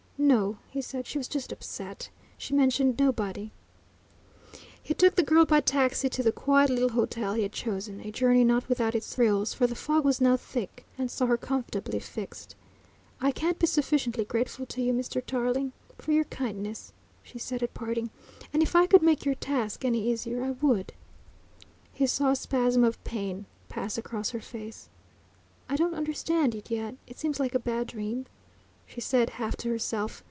"No," he said, "she was just upset ... she mentioned nobody." He took the girl by taxi to the quiet little hotel he had chosen a journey not without its thrills, for the fog was now thick and saw her comfortably fixed. "I can't be sufficiently grateful to you, Mr. Tarling, for your kindness," she said at parting "and if I could make your task any easier ... I would." He saw a spasm of pain pass across her face. "I don't understand it yet; it seems like a bad dream," she said half to herself.